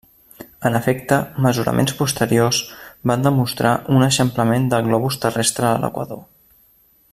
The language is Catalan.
En efecte, mesuraments posteriors van demostrar un eixamplament del globus terrestre a l'Equador.